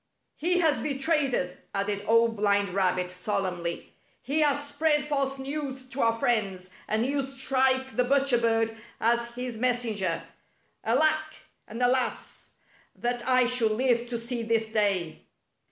" He has betrayed us! " added Old Blind Rab bit, solemnly. " He has spread false news to our friends, and used Shrike the Butcher Bird as his messenger. Alack 1 And alas ! that I should live to see this day!"